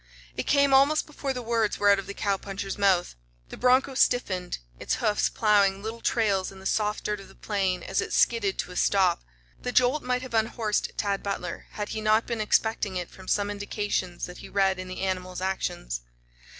It came almost before the words were out of the cowpuncher's mouth. The broncho stiffened, its hoofs ploughing little trails in the soft dirt of the plain as it skidded to a stop. The jolt might have unhorsed Tad Butler had he not been expecting it from some indications that he read in the animal's actions.